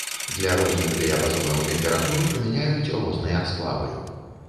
Для розных дыяпазонаў тэмператур прымяняюць розныя сплавы.